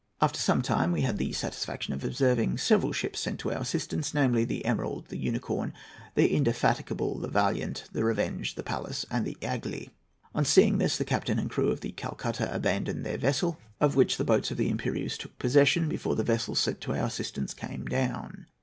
After some time we had the satisfaction of observing several ships sent to our assistance, namely, the Emerald, the Unicorn, the Indefatigable, the Valiant, the Revenge, the Pallas, and the Aigle. On seeing this, the captain and the crew of the Calcutta abandoned their vessel, of which the boats of the Impérieuse took possession before the vessels sent to our assistance came down."